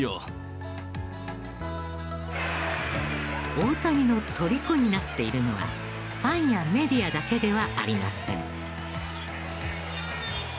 大谷のとりこになっているのはファンやメディアだけではありません。